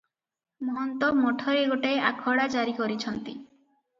ମହନ୍ତ ମଠରେ ଗୋଟାଏ ଆଖଡା ଜାରି କରିଛନ୍ତି ।